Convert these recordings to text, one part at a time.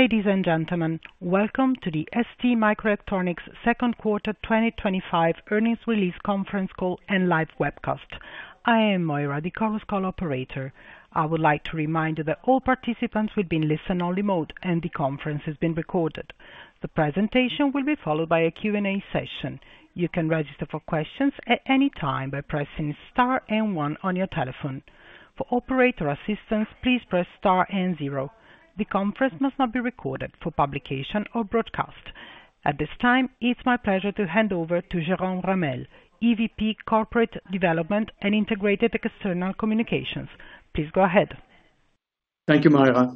Ladies and gentlemen, welcome to the STMicroelectronics 2nd Quarter 2025 Earnings Release Conference Call and live webcast. I am Moira, the call's co-operator. I would like to remind you that all participants will be in listen-only mode and the conference has been recorded. The presentation will be followed by a Q&A session. You can register for questions at any time by pressing Star and 1 on your telephone. For operator assistance, please press Star and 0. The conference must not be recorded for publication or broadcast. At this time, it's my pleasure to hand over to Jerome Ramel, Executive Vice President, Corporate Development and Integrated External Communications. Please go ahead. Thank you, Moira.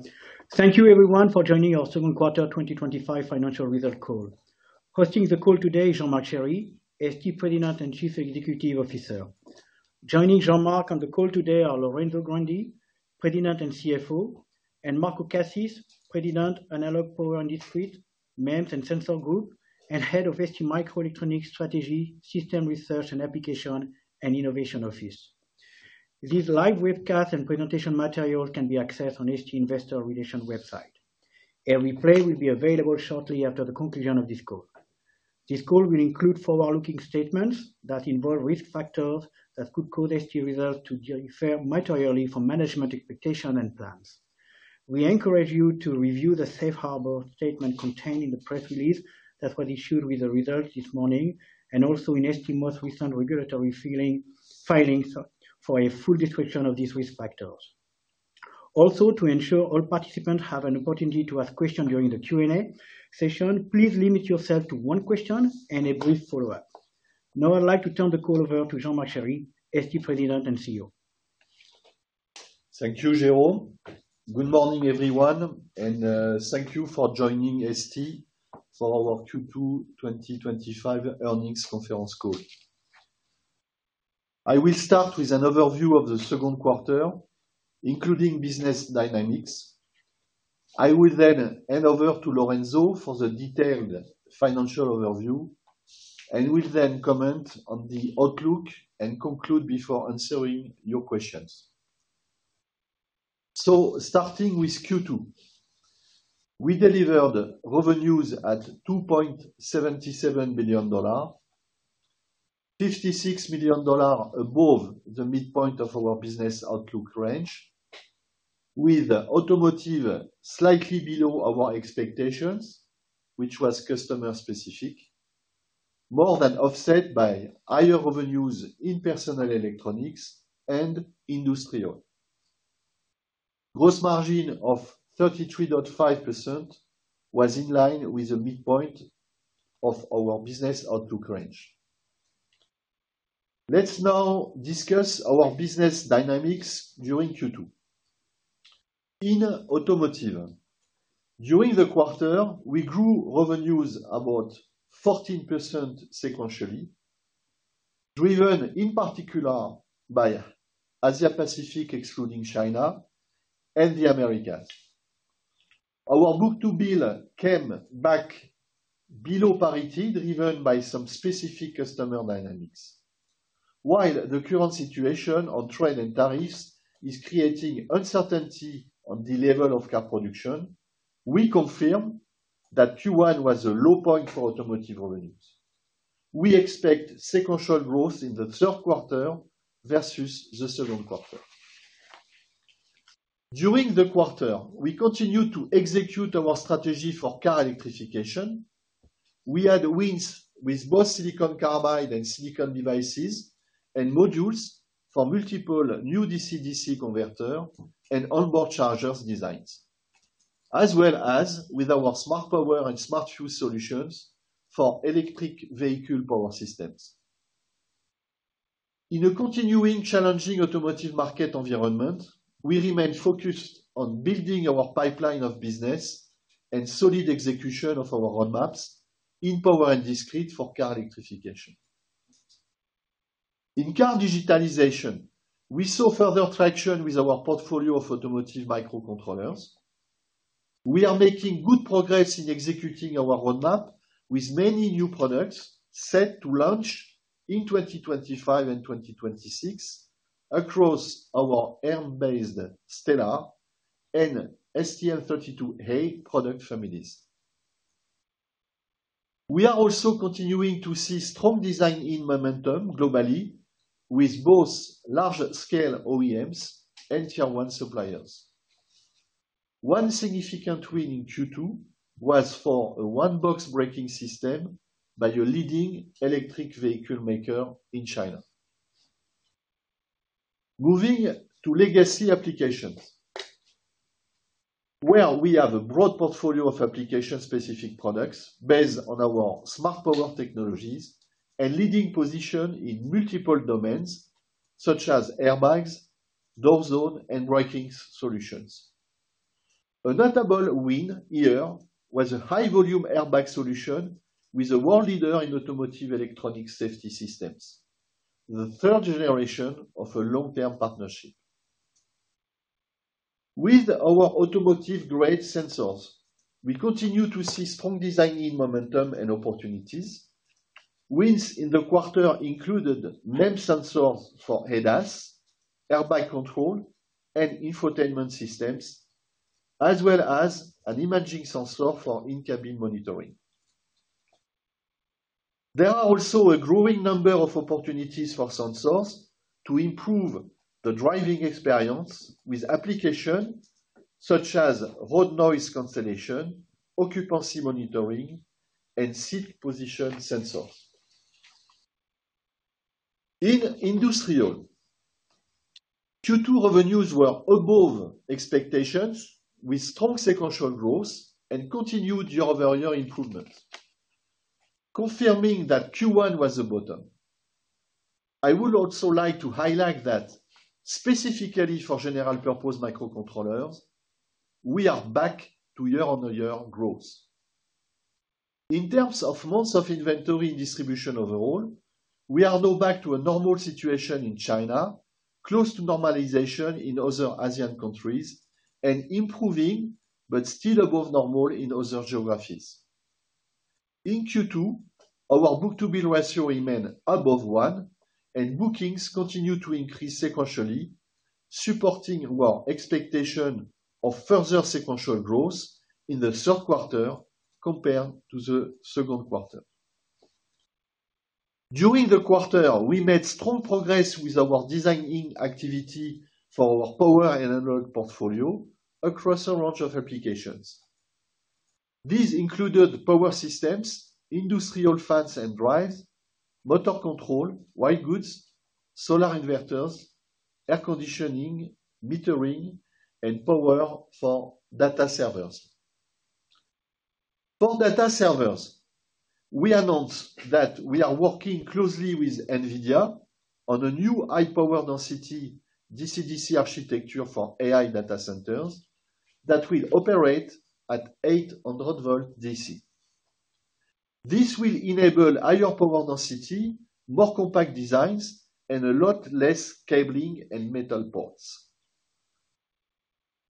Thank you, everyone, for joining our 2nd Quarter 2025 Financial Results Call. Hosting the call today is Jean-Marc Chery, ST President and Chief Executive Officer. Joining Jean-Marc on the call today are Lorenzo Grandi, President and CFO, and Marco Cassis, President, Analog, Power and Discrete, MEMS and Sensor Group, and Head of STMicroelectronics Strategy, System Research and Application, and Innovation Office. This live webcast and presentation material can be accessed on the ST Investor Relations website. A replay will be available shortly after the conclusion of this call. This call will include forward-looking statements that involve risk factors that could cause ST results to differ materially from management expectations and plans. We encourage you to review the safe harbor statement contained in the press release that was issued with the results this morning and also in ST's most recent regulatory filings for a full description of these risk factors. Also, to ensure all participants have an opportunity to ask questions during the Q&A session, please limit yourself to one question and a brief follow-up. Now, I'd like to turn the call over to Jean-Marc Chery, ST President and CEO. Thank you, Jerome. Good morning, everyone, and thank you for joining ST for our Q2 2025 Earnings Conference Call. I will start with an overview of the 2nd Quarter, including business dynamics. I will then hand over to Lorenzo for the detailed financial overview. We will then comment on the outlook and conclude before answering your questions. Starting with Q2. We delivered revenues at $2.77 billion, $56 million above the midpoint of our business outlook range, with automotive slightly below our expectations, which was customer-specific, more than offset by higher revenues in personal electronics and industrial. Gross margin of 33.5% was in line with the midpoint of our business outlook range. Let's now discuss our business dynamics during Q2. In automotive, during the quarter, we grew revenues about 14% sequentially, driven in particular by Asia Pacific, excluding China, and the Americas. Our book-to-bill came back below parity, driven by some specific customer dynamics. While the current situation on trade and tariffs is creating uncertainty on the level of car production, we confirm that Q1 was a low point for automotive revenues. We expect sequential growth in the 3rd Quarter versus the 2nd Quarter. During the quarter, we continued to execute our strategy for car electrification. We had wins with both silicon carbide and silicon devices and modules for multiple new DC-DC converters and onboard chargers designs, as well as with our smart power and smart fuel solutions for electric vehicle power systems. In a continuing challenging automotive market environment, we remained focused on building our pipeline of business and solid execution of our roadmaps in power and distributed for car electrification. In car digitalization, we saw further traction with our portfolio of automotive microcontrollers. We are making good progress in executing our roadmap with many new products set to launch in 2025 and 2026 across our ARM-based Stellar and STM32A product families. We are also continuing to see strong design in momentum globally with both large-scale OEMs and Tier 1 suppliers. One significant win in Q2 was for a one-box braking system by a leading electric vehicle maker in China. Moving to legacy applications, where we have a broad portfolio of application-specific products based on our smart power technologies and leading position in multiple domains such as airbags, door zone, and braking solutions. A notable win here was a high-volume airbag solution with a world leader in automotive electronics safety systems, the third generation of a long-term partnership. With our automotive-grade sensors, we continue to see strong design in momentum and opportunities. Wins in the quarter included MEMS sensors for ADAS, airbag control, and infotainment systems, as well as an imaging sensor for in-cabin monitoring. There are also a growing number of opportunities for sensors to improve the driving experience with applications such as road noise cancellation, occupancy monitoring, and seat position sensors. In industrial, Q2 revenues were above expectations with strong sequential growth and continued year-over-year improvements, confirming that Q1 was a bottom. I would also like to highlight that. Specifically for general-purpose microcontrollers. We are back to year-on-year growth. In terms of months of inventory and distribution overall, we are now back to a normal situation in China, close to normalization in other ASEAN countries, and improving but still above normal in other geographies. In Q2, our book-to-bill ratio remained above 1, and bookings continued to increase sequentially, supporting our expectation of further sequential growth in the 3rd Quarter compared to the 2nd Quarter. During the quarter, we made strong progress with our design activity for our power and analog portfolio across a range of applications. These included power systems, industrial fans and drives, motor control, white goods, solar inverters, air conditioning, metering, and power for data servers. For data servers. We announced that we are working closely with NVIDIA on a new high-power density DC-DC architecture for AI data centers that will operate at 800 volts DC. This will enable higher power density, more compact designs, and a lot less cabling and metal parts.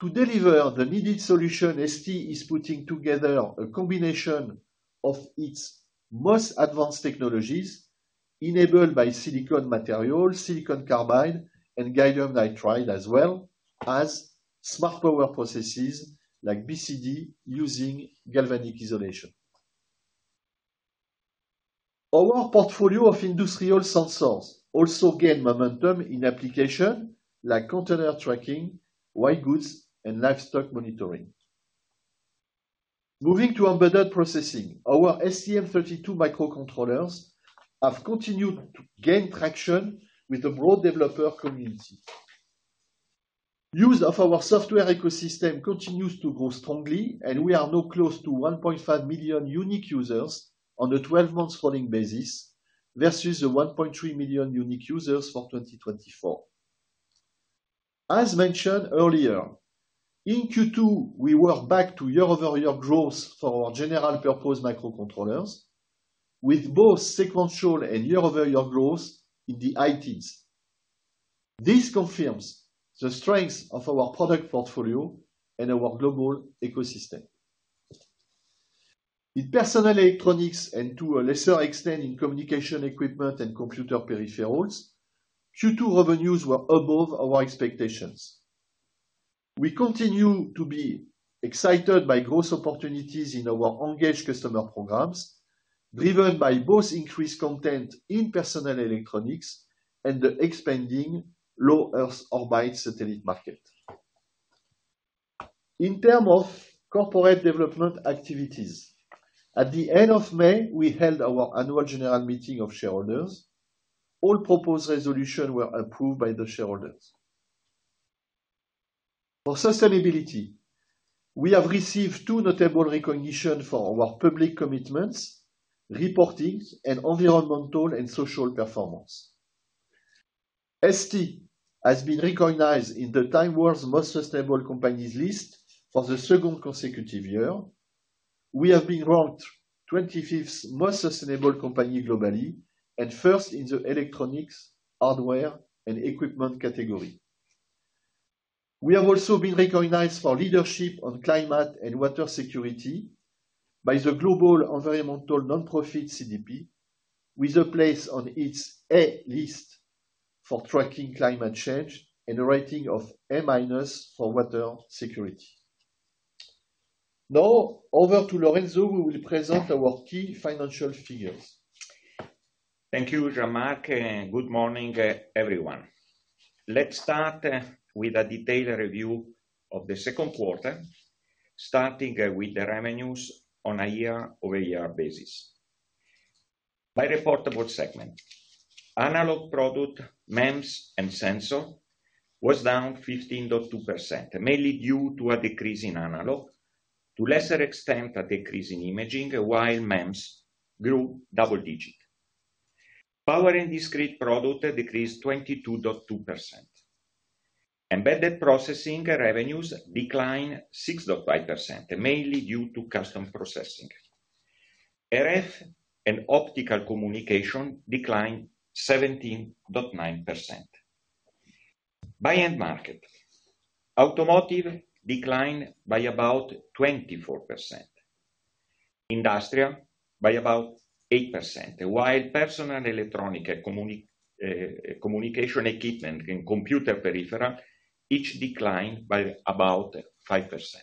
To deliver the needed solution, ST is putting together a combination of its most advanced technologies enabled by silicon material, silicon carbide, and gallium nitride, as well as smart power processes like BCD using galvanic isolation. Our portfolio of industrial sensors also gained momentum in applications like container tracking, white goods, and livestock monitoring. Moving to embedded processing, our STM32 Microcontrollers have continued to gain traction with the broad developer community. Use of our software ecosystem continues to grow strongly, and we are now close to 1.5 million unique users on a 12-month rolling basis versus the 1.3 million unique users for 2024. As mentioned earlier, in Q2, we were back to year-over-year growth for our general-purpose microcontrollers, with both sequential and year-over-year growth in the ITs. This confirms the strength of our product portfolio and our global ecosystem. In personal electronics and to a lesser extent in communication equipment and computer peripherals, Q2 revenues were above our expectations. We continue to be excited by growth opportunities in our engaged customer programs, driven by both increased content in personal electronics and the expanding low Earth orbit satellite market. In terms of corporate development activities, at the end of May, we held our annual general meeting of shareholders. All proposed resolutions were approved by the shareholders. For sustainability, we have received two notable recognitions for our public commitments, reporting, and environmental and social performance. ST has been recognized in the TimeWorld's Most Sustainable Companies list for the second consecutive year. We have been ranked 25th Most Sustainable Company globally and 1st in the electronics, hardware, and equipment category. We have also been recognized for leadership on climate and water security by the Global Environmental Nonprofit CDP, with a place on its A list for tracking climate change and a rating of A minus for water security. Now, over to Lorenzo, who will present our key financial figures. Thank you, Jean-Marc, and good morning, everyone. Let's start with a detailed review of the 2nd Quarter, starting with the revenues on a year-over-year basis. By reportable segment. Analog products MEMS and sensor was down 15.2%, mainly due to a decrease in analog, to a lesser extent a decrease in imaging, while MEMS grew double-digit. Power and distributed product decreased 22.2%. Embedded processing revenues declined 6.5%, mainly due to custom processing. RF and optical communication declined 17.9%. By end market. Automotive declined by about 24%. Industrial by about 8%, while personal electronics, communication equipment, and computer peripherals each declined by about 5%.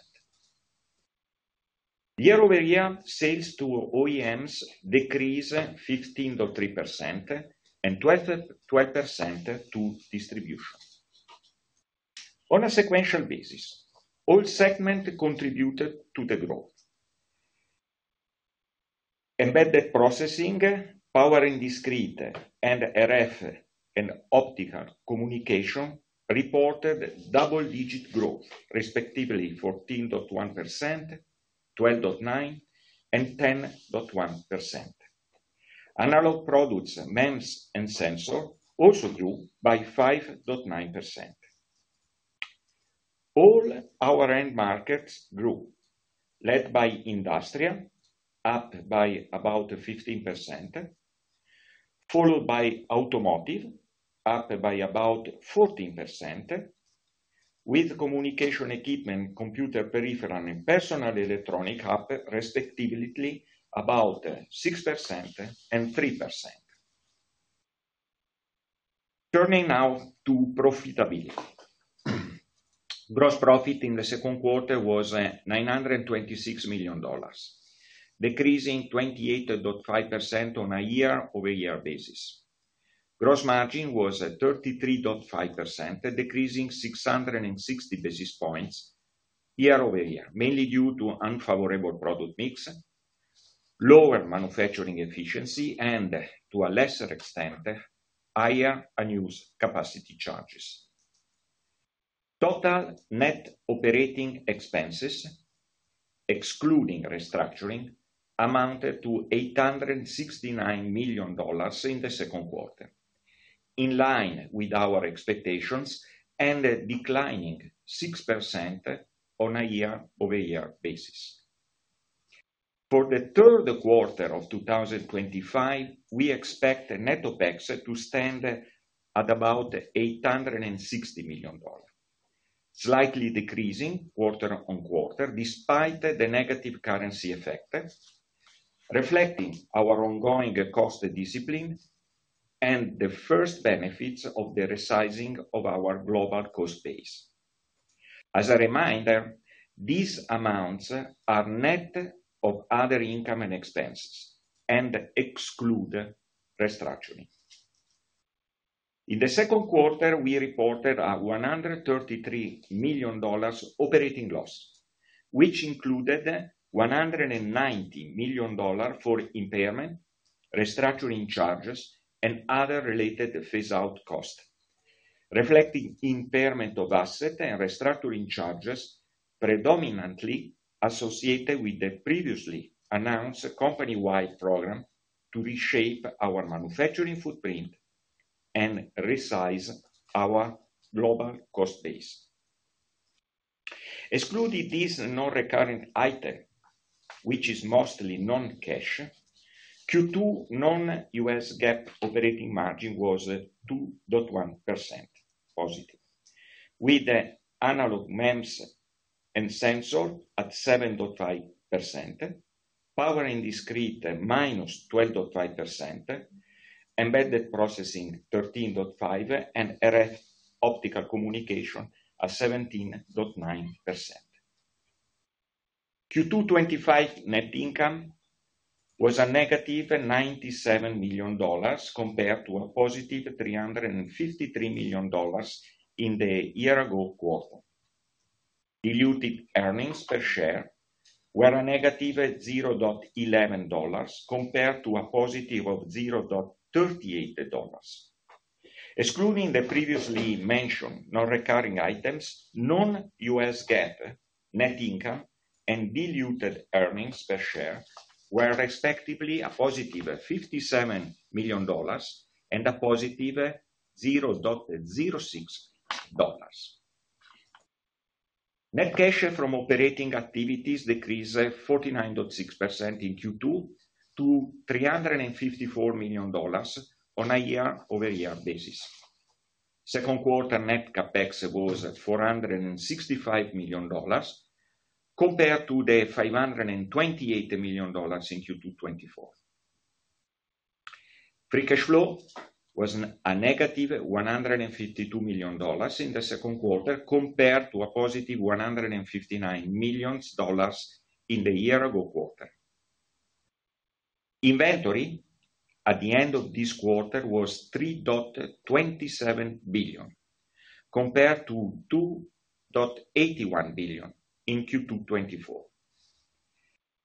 Year-over-year sales to OEMs decreased 15.3% and 12% to distribution. On a sequential basis, all segments contributed to the growth. Embedded processing, power and distributed, and RF and optical communication reported double-digit growth, respectively 14.1%, 12.9%, and 10.1%. Analog products MEMS and sensor also grew by 5.9%. All our end markets grew, led by industrial, up by about 15%, followed by automotive, up by about 14%, with communication equipment, computer peripherals, and personal electronics up, respectively, about 6% and 3%. Turning now to profitability. Gross profit in the 2nd Quarter was $926 million, decreasing 28.5% on a year-over-year basis. Gross margin was 33.5%, decreasing 660 basis points year-over-year, mainly due to unfavorable product mix, lower manufacturing efficiency, and to a lesser extent, higher unused capacity charges. Total net operating expenses, excluding restructuring, amounted to $869 million in the 2nd Quarter, in line with our expectations and declining 6% on a year-over-year basis. For the 3rd Quarter of 2025, we expect net OpEx to stand at about $860 million, slightly decreasing quarter on quarter despite the negative currency effect, reflecting our ongoing cost discipline and the first benefits of the resizing of our global cost base. As a reminder, these amounts are net of other income and expenses and exclude restructuring. In the 2nd Quarter, we reported a $133 million operating loss, which included $190 million for impairment, restructuring charges, and other related phase-out costs, reflecting impairment of asset and restructuring charges predominantly associated with the previously announced company-wide program to reshape our manufacturing footprint and resize our global cost base. Excluding this non-recurring item, which is mostly non-cash, Q2 non-U.S. GAAP operating margin was 2.1% positive, with analog MEMS and sensor at 7.5%, power and distributed minus 12.5%, embedded processing 13.5%, and RF optical communication at 17.9%. Q2 2025 net income was a negative $97 million compared to a positive $353 million in the year-ago quarter. Diluted earnings per share were a negative $0.11 compared to a positive of $0.38. Excluding the previously mentioned non-recurring items, non-U.S. GAAP net income and diluted earnings per share were respectively a positive $57 million and a positive $0.06. Net cash from operating activities decreased 49.6% in Q2 to $354 million on a year-over-year basis. 2nd Quarter net CAPEX was $465 million compared to the $528 million in Q2 2024. Free cash flow was a negative $152 million in the second quarter compared to a positive $159 million in the year-ago quarter. Inventory at the end of this quarter was $3.27 billion compared to $2.81 billion in Q2 2024.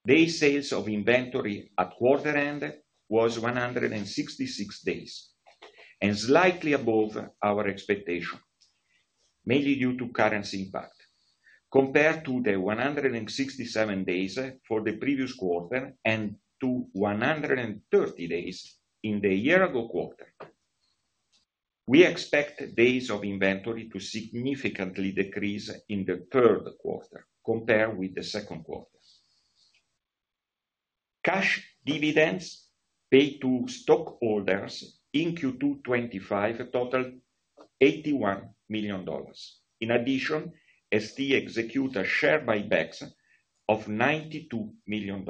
Day sales of inventory at quarter-end was 166 days and slightly above our expectation, mainly due to currency impact, compared to the 167 days for the previous quarter and to 130 days in the year-ago quarter. We expect days of inventory to significantly decrease in the third quarter compared with the second quarter. Cash dividends paid to stockholders in Q2 2025 totaled $81 million. In addition, ST executed share buybacks of $92 million.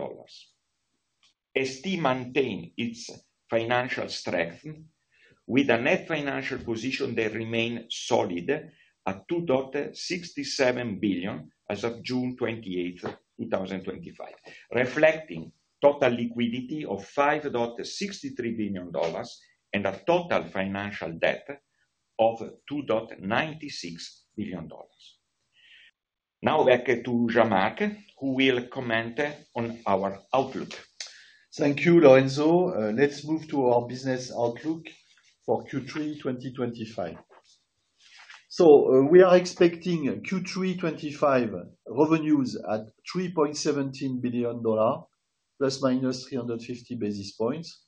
ST maintained its financial strength, with a net financial position that remained solid at $2.67 billion as of June 28, 2025, reflecting total liquidity of $5.63 billion and a total financial debt of $2.96 billion. Now back to Jean-Marc, who will comment on our outlook. Thank you, Lorenzo. Let's move to our business outlook for Q3 2025. We are expecting Q3 2025 revenues at $3.17 billion, plus minus 350 basis points.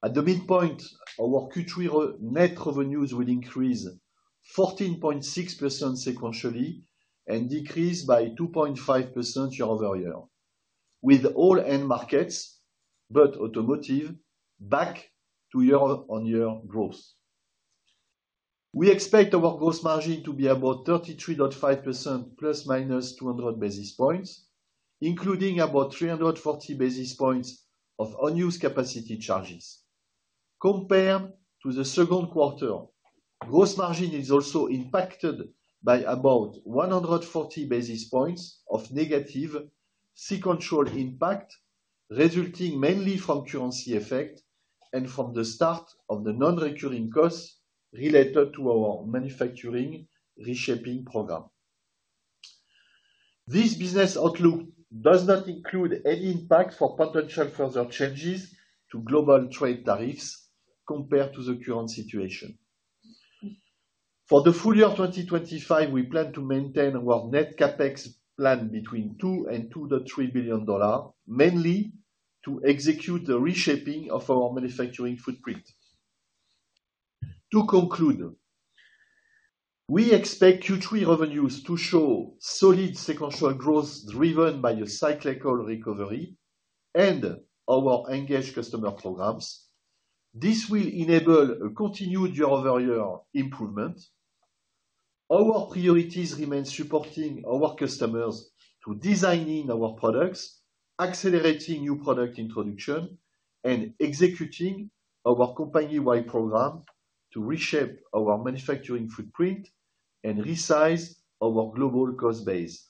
At the midpoint, our Q3 net revenues will increase 14.6% sequentially and decrease by 2.5% year-over-year, with all end markets, except automotive, back to year-on-year growth. We expect our gross margin to be about 33.5%, plus minus 200 basis points, including about 340 basis points of unused capacity charges. Compared to the second quarter, gross margin is also impacted by about 140 basis points of negative sequential impact resulting mainly from currency effect and from the start of the non-recurring costs related to our manufacturing reshaping program. This business outlook does not include any impact for potential further changes to global trade tariffs compared to the current situation. For the full year 2025, we plan to maintain our net CAPEX plan between $2 billion-$2.3 billion, mainly to execute the reshaping of our manufacturing footprint. To conclude, we expect Q3 revenues to show solid sequential growth driven by a cyclical recovery and our engaged customer programs. This will enable a continued year-over-year improvement. Our priorities remain supporting our customers to design our products, accelerating new product introduction, and executing our company-wide program to reshape our manufacturing footprint and resize our global cost base.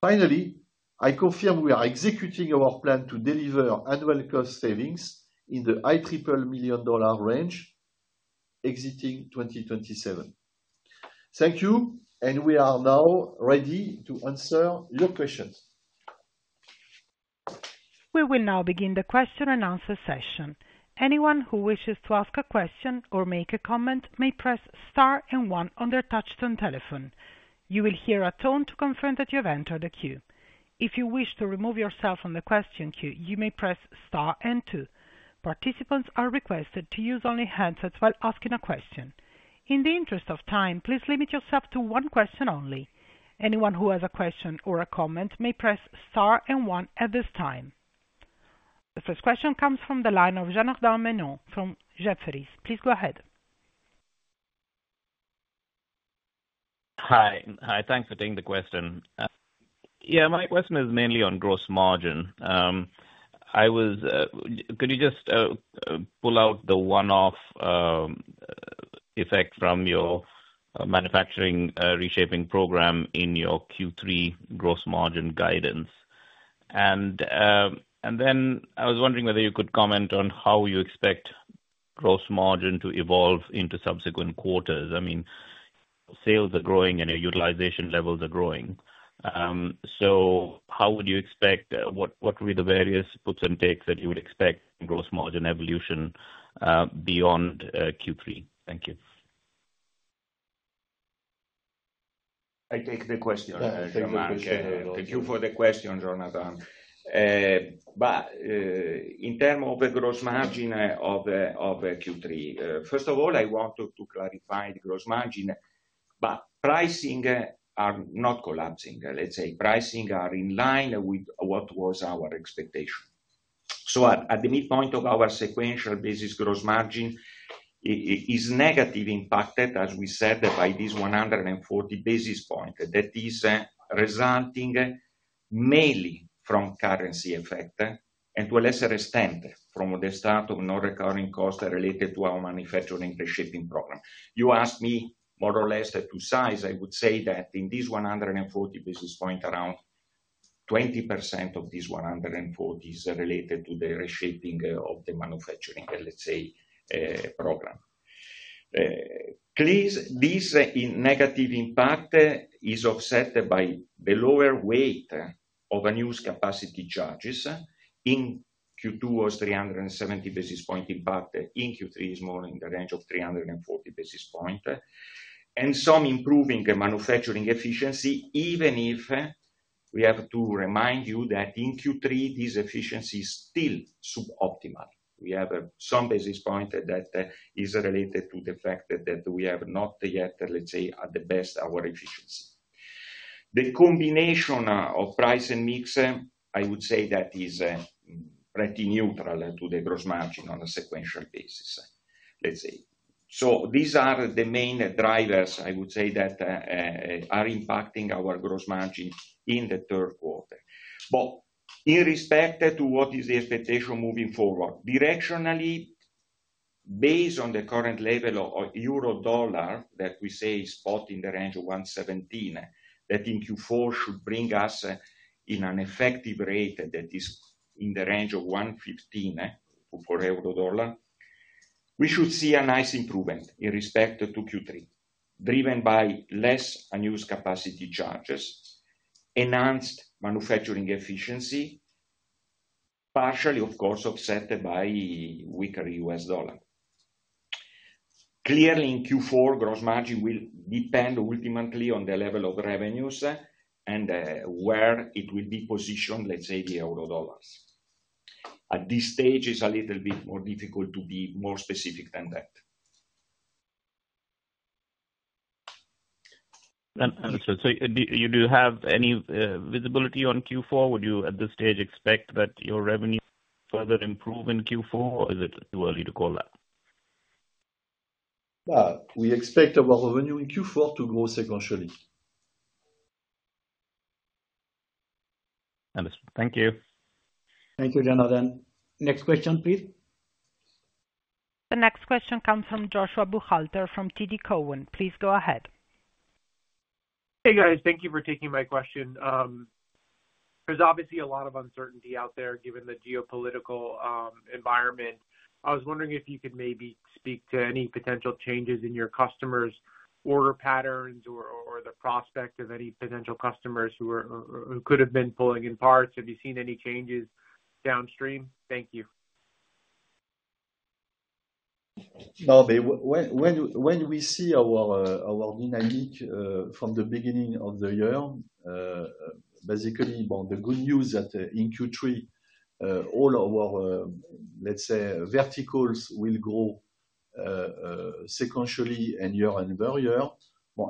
Finally, I confirm we are executing our plan to deliver annual cost savings in the $800 million range, exiting 2027. Thank you, and we are now ready to answer your questions. We will now begin the question and answer session. Anyone who wishes to ask a question or make a comment may press Star and 1 on their touchstone telephone. You will hear a tone to confirm that you have entered the queue. If you wish to remove yourself from the question queue, you may press Star and 2. Participants are requested to use only handsets while asking a question. In the interest of time, please limit yourself to one question only. Anyone who has a question or a comment may press Star and 1 at this time. The first question comes from the line of Janardan Menon from Jefferies. Please go ahead. Hi. Thanks for taking the question. Yeah, my question is mainly on gross margin. Could you just pull out the one-off effect from your manufacturing reshaping program in your Q3 gross margin guidance? I was wondering whether you could comment on how you expect gross margin to evolve into subsequent quarters. I mean, sales are growing and your utilization levels are growing. How would you expect, what would be the various puts and takes that you would expect in gross margin evolution beyond Q3? Thank you. I take the question. Thank you for the question, Jonathan. In terms of the gross margin of Q3, first of all, I want to clarify the gross margin, but pricing are not collapsing. Let's say pricing are in line with what was our expectation. At the midpoint of our sequential basis, gross margin is negatively impacted, as we said, by this 140 basis point. That is resulting mainly from currency effect and to a lesser extent from the start of non-recurring costs related to our manufacturing reshaping program. You asked me more or less to size. I would say that in this 140 basis point, around 20% of this 140 is related to the reshaping of the manufacturing, let's say, program. Clearly, this negative impact is offset by the lower weight of unused capacity charges. In Q2 was 370 basis point impact. In Q3, it's more in the range of 340 basis point. And some improving manufacturing efficiency, even if we have to remind you that in Q3, this efficiency is still suboptimal. We have some basis point that is related to the fact that we have not yet, let's say, at the best, our efficiency. The combination of price and mix, I would say that is pretty neutral to the gross margin on a sequential basis, let's say. These are the main drivers, I would say, that are impacting our gross margin in the third quarter. In respect to what is the expectation moving forward, directionally, based on the current level of euro dollar that we say is spot in the range of 1.17, that in Q4 should bring us in an effective rate that is in the range of 1.15 for euro dollar. We should see a nice improvement in respect to Q3, driven by less unused capacity charges, enhanced manufacturing efficiency, partially, of course, offset by weaker U.S. dollar. Clearly, in Q4, gross margin will depend ultimately on the level of revenues and where it will be positioned, let's say, the euro dollars. At this stage, it's a little bit more difficult to be more specific than that. Understood. So do you have any visibility on Q4? Would you, at this stage, expect that your revenue further improve in Q4, or is it too early to call that? We expect our revenue in Q4 to grow sequentially. Understood. Thank you. Thank you, Jonathan. Next question, please. The next question comes from Joshua Buchalter from TD Cowen. Please go ahead. Hey, guys. Thank you for taking my question. There's obviously a lot of uncertainty out there given the geopolitical environment. I was wondering if you could maybe speak to any potential changes in your customers' order patterns or the prospect of any potential customers who could have been pulling in parts. Have you seen any changes downstream? Thank you. No, when we see our dynamic from the beginning of the year. Basically, the good news is that in Q3, all our, let's say, verticals will grow sequentially and year-over-year,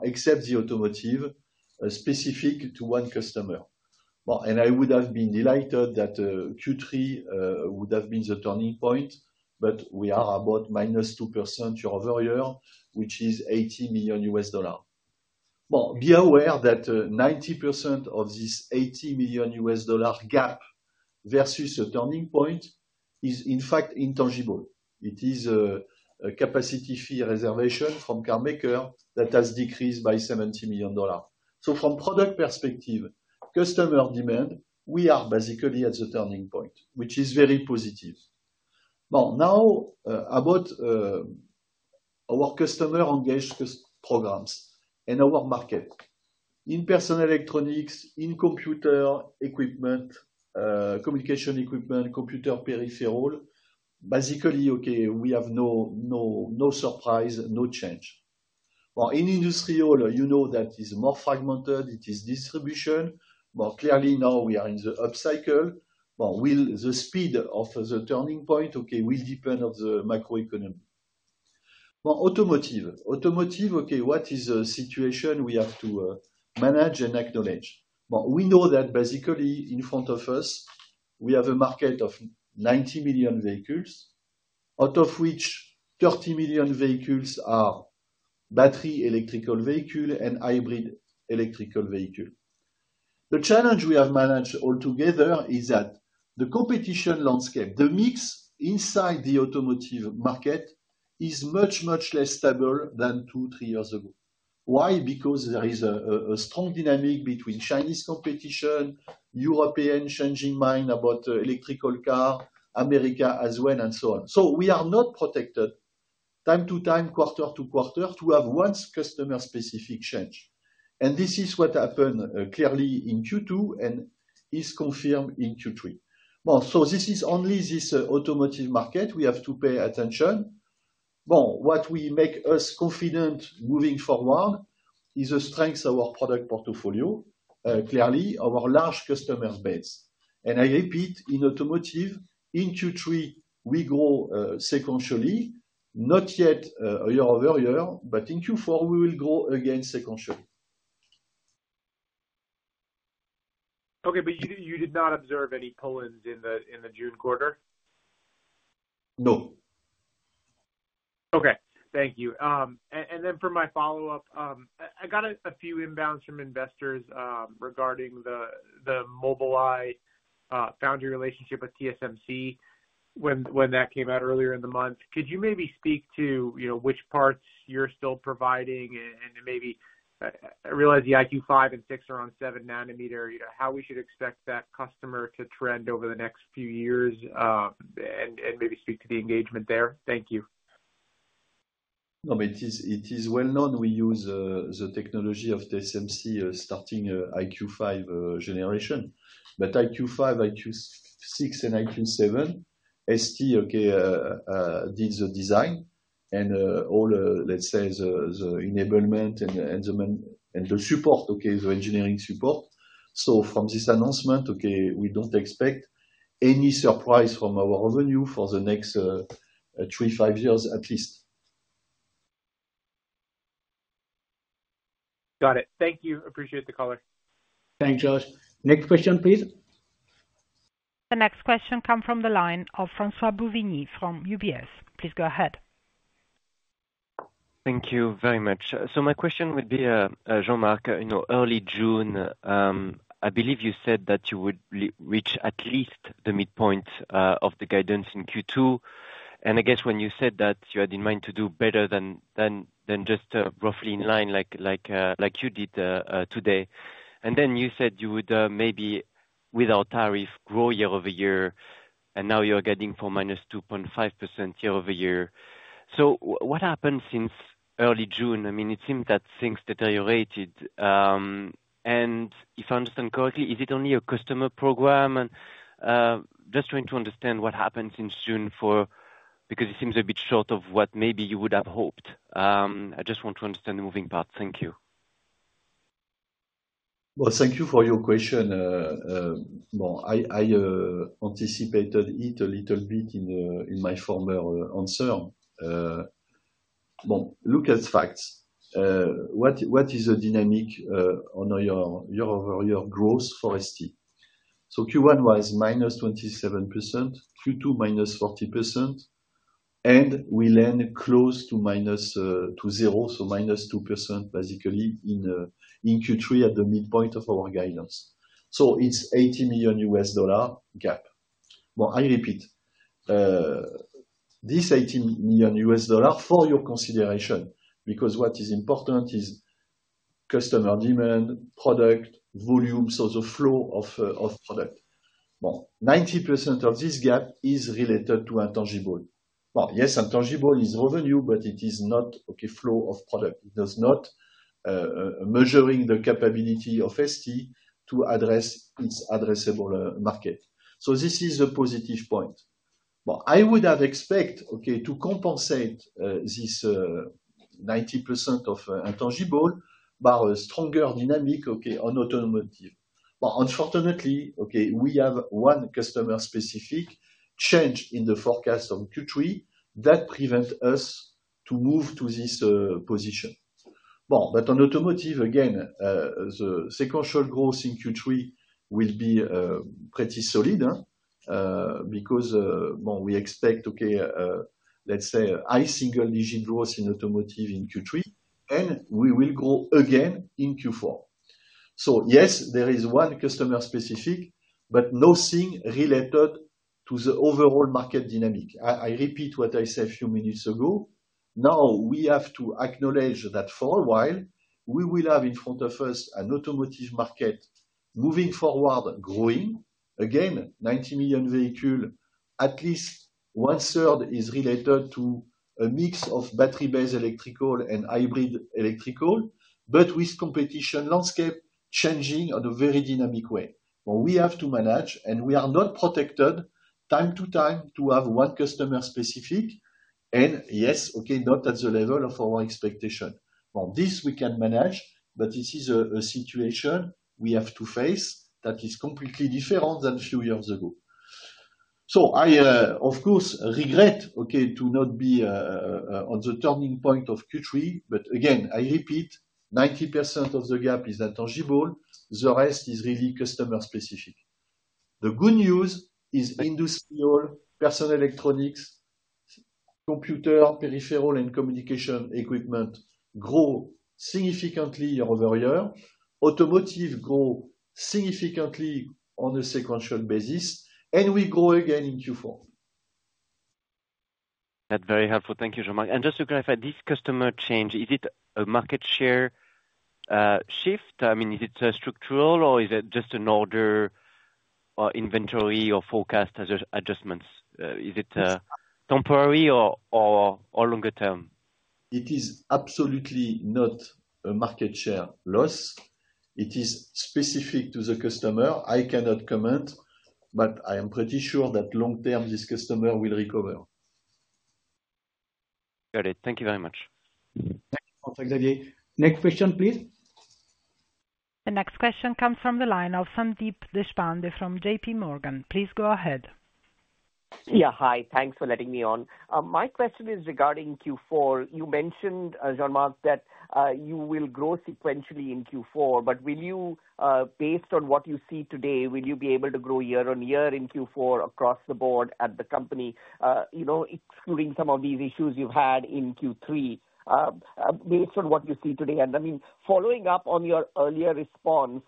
except the automotive, specific to one customer. I would have been delighted that Q3 would have been the turning point, but we are about minus 2% year-over-year, which is $80 million. Be aware that 90% of this $80 million gap versus the turning point is, in fact, intangible. It is a capacity fee reservation from a car maker that has decreased by $70 million. From a product perspective, customer demand, we are basically at the turning point, which is very positive. Now, about our customer engaged programs and our market. In personal electronics, in computer equipment, communication equipment, computer peripheral, basically, okay, we have no surprise, no change. In industrial, you know that is more fragmented. It is distribution. Clearly, now we are in the upcycle. The speed of the turning point, okay, will depend on the macroeconomy. Automotive, okay, what is the situation we have to manage and acknowledge? We know that basically in front of us, we have a market of 90 million vehicles, out of which 30 million vehicles are battery electrical vehicle and hybrid electrical vehicle. The challenge we have managed altogether is that the competition landscape, the mix inside the automotive market, is much, much less stable than two, three years ago. Why? Because there is a strong dynamic between Chinese competition, European changing mind about electrical car, America as well, and so on. We are not protected time to time, quarter to quarter, to have one customer-specific change. This is what happened clearly in Q2 and is confirmed in Q3. This is only this automotive market we have to pay attention. What makes us confident moving forward is the strength of our product portfolio, clearly our large customer base. I repeat, in automotive, in Q3, we grow sequentially, not yet year-over-year, but in Q4, we will grow again sequentially. Okay, but you did not observe any pull-ins in the June quarter? No. Okay. Thank you. For my follow-up, I got a few inbounds from investors regarding the Mobileye founder relationship with TSMC. When that came out earlier in the month, could you maybe speak to which parts you're still providing? I realize the IQ 5 and 6 are on 7 nanometer, how we should expect that customer to trend over the next few years. Maybe speak to the engagement there. Thank you. No, it is well known we use the technology of TSMC starting IQ 5 generation. But IQ 5, IQ 6, and IQ 7, ST, okay, did the design and all, let's say, the enablement and the support, okay, the engineering support. From this announcement, okay, we don't expect any surprise from our revenue for the next three-five years at least. Got it. Thank you. Appreciate the caller. Thanks, Josh. Next question, please. The next question comes from the line of François Bouvignies from UBS. Please go ahead. Thank you very much. My question would be, Jean-Marc, early June, I believe you said that you would reach at least the midpoint of the guidance in Q2. I guess when you said that you had in mind to do better than just roughly in line like you did today. You said you would maybe, with our tariff, grow year-over-year, and now you are guiding for minus 2.5% year-over-year. What happened since early June? I mean, it seems that things deteriorated. If I understand correctly, is it only a customer program? I am just trying to understand what happened since June because it seems a bit short of what maybe you would have hoped. I just want to understand the moving parts. Thank you. Thank you for your question. I anticipated it a little bit in my former answer. Look at facts. What is the dynamic on your year-over-year growth for ST? Q1 was -27%, Q2 -40%. We land close to -0, so -2%, basically, in Q3 at the midpoint of our guidance. It is a $80 million gap. I repeat. This $80 million for your consideration, because what is important is customer demand, product, volume, so the flow of product. 90% of this gap is related to intangible. Yes, intangible is revenue, but it is not flow of product. It does not measure the capability of ST to address its addressable market. This is a positive point. I would have expected to compensate this 90% of intangible by a stronger dynamic on automotive. Unfortunately, we have one customer-specific change in the forecast of Q3 that prevents us from moving to this position. On automotive, again, the sequential growth in Q3 will be pretty solid. We expect, let's say, high single-digit growth in automotive in Q3, and we will grow again in Q4. Yes, there is one customer-specific, but nothing related to the overall market dynamic. I repeat what I said a few minutes ago. Now we have to acknowledge that for a while, we will have in front of us an automotive market moving forward, growing. Again, 90 million vehicles, at least one-third is related to a mix of battery-based electrical and hybrid electrical, but with competition landscape changing in a very dynamic way. We have to manage, and we are not protected time to time to have one customer-specific. Yes, okay, not at the level of our expectation. This we can manage, but this is a situation we have to face that is completely different than a few years ago. I, of course, regret to not be on the turning point of Q3, but again, I repeat, 90% of the gap is intangible. The rest is really customer-specific. The good news is industrial, personal electronics, computer, peripheral, and communication equipment grow significantly year-over-year. Automotive grows significantly on a sequential basis. We grow again in Q4. That's very helpful. Thank you, Jean-Marc. Just to clarify, this customer change, is it a market share shift? I mean, is it structural, or is it just an order, inventory, or forecast adjustment? Is it temporary or longer-term? It is absolutely not a market share loss. It is specific to the customer. I cannot comment, but I am pretty sure that long-term this customer will recover. Got it. Thank you very much. Thank you, François Bouvignies. Next question, please. The next question comes from the line of Sandeep Deshpande from JP Morgan. Please go ahead. Yeah, hi. Thanks for letting me on. My question is regarding Q4. You mentioned, Jean-Marc, that you will grow sequentially in Q4, but based on what you see today, will you be able to grow year-on-year in Q4 across the board at the company. Excluding some of these issues you've had in Q3. Based on what you see today, and I mean, following up on your earlier response,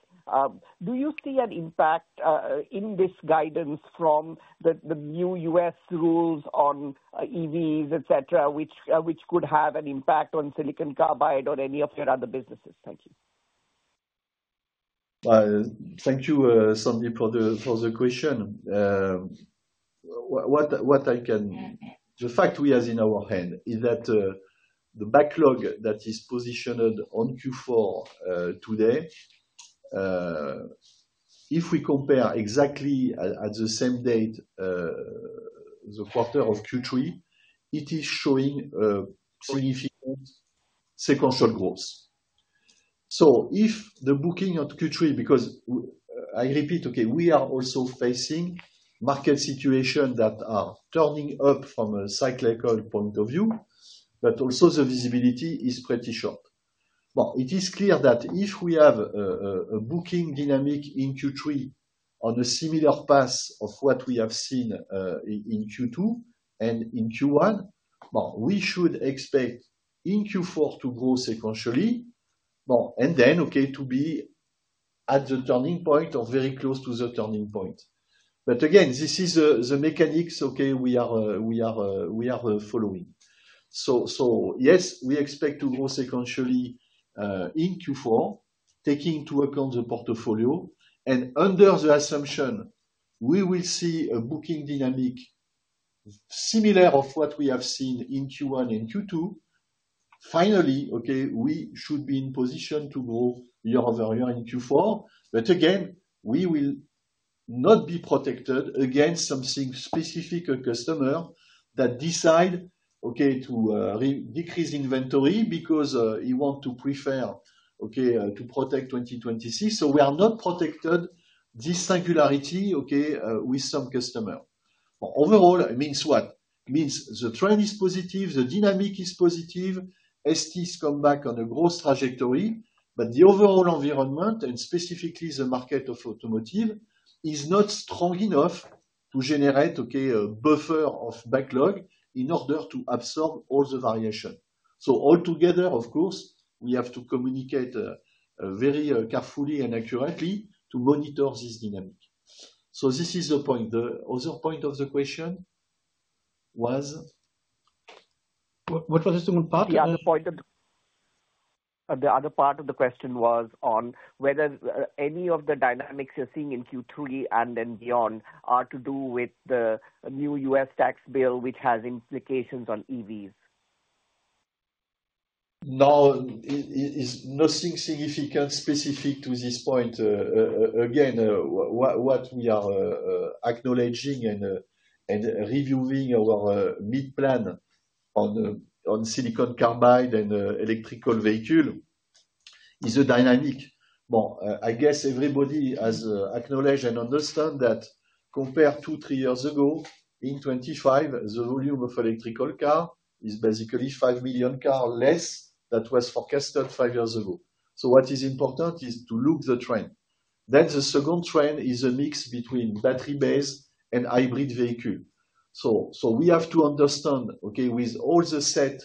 do you see an impact in this guidance from the new U.S. rules on EVs, etc., which could have an impact on silicon carbide or any of your other businesses? Thank you. Thank you, Sandeep, for the question. What I can, the fact we have in our hand is that the backlog that is positioned on Q4 today. If we compare exactly at the same date, the quarter of Q3, it is showing significant sequential growth. If the booking at Q3, because I repeat, we are also facing market situations that are turning up from a cyclical point of view, but also the visibility is pretty short. It is clear that if we have a booking dynamic in Q3 on a similar path of what we have seen in Q2 and in Q1, we should expect in Q4 to grow sequentially, and then to be at the turning point or very close to the turning point. Again, this is the mechanics we are following. Yes, we expect to grow sequentially in Q4, taking into account the portfolio, and under the assumption we will see a booking dynamic similar to what we have seen in Q1 and Q2. Finally, we should be in position to grow year-over-year in Q4. Again, we will not be protected against something specific to a customer that decides to decrease inventory because he wants to prefer to protect 2026. We are not protected, this singularity with some customers. Overall, it means what? It means the trend is positive, the dynamic is positive, ST's come back on a growth trajectory, but the overall environment, and specifically the market of automotive, is not strong enough to generate a buffer of backlog in order to absorb all the variation. Altogether, of course, we have to communicate very carefully and accurately to monitor this dynamic. This is the point. The other point of the question was? What was the second part? Yeah, the other part of the question was on whether any of the dynamics you're seeing in Q3 and then beyond are to do with the new U.S. tax bill, which has implications on EVs. No, nothing significant specific to this point. Again, what we are acknowledging and reviewing is our mid-plan. On silicon carbide and electric vehicle, it is a dynamic. I guess everybody has acknowledged and understood that compared to three years ago, in 2025, the volume of electric cars is basically 5 million cars less than what was forecasted five years ago. What is important is to look at the trend. The second trend is a mix between battery-based and hybrid vehicles. We have to understand, okay, with all the set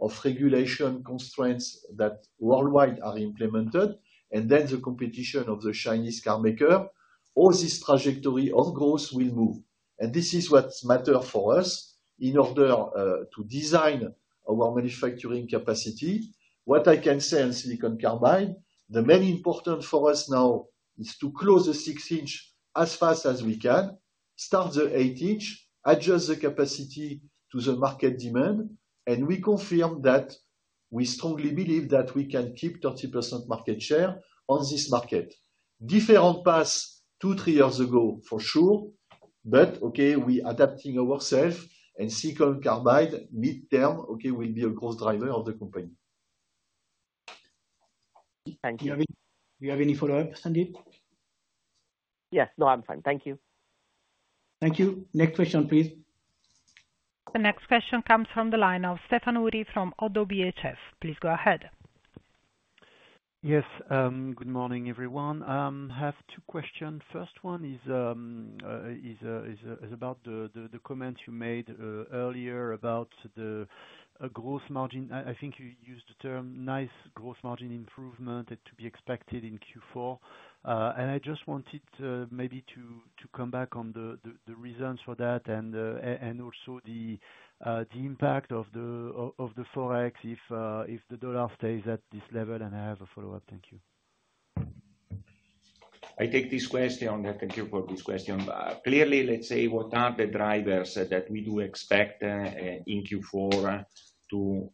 of regulation constraints that worldwide are implemented, and the competition of the Chinese carmaker, all this trajectory of growth will move. This is what matters for us in order to design our manufacturing capacity. What I can say on silicon carbide, the main important thing for us now is to close the 6-inch as fast as we can, start the 8-inch, adjust the capacity to the market demand, and we confirm that we strongly believe that we can keep 30% market share on this market. Different paths two or three years ago, for sure, but okay, we are adapting ourselves, and silicon carbide mid-term will be a growth driver of the company. Thank you. Do you have any follow-up, Sandeep? Yes. No, I'm fine. Thank you. Thank you. Next question, please. The next question comes from the line of Stephane Houri from ODDO BHF. Please go ahead. Yes. Good morning, everyone. I have two questions. The first one is about the comments you made earlier about the gross margin. I think you used the term nice gross margin improvement to be expected in Q4. I just wanted maybe to come back on the reasons for that and also the impact of the forex if the dollar stays at this level. I have a follow-up. Thank you. I take this question. Thank you for this question. Clearly, let's say what are the drivers that we do expect in Q4 to